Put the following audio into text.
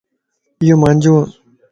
ايو مانجوَ